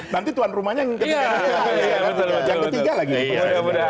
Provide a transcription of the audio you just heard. nanti tuan rumahnya yang ketiga lagi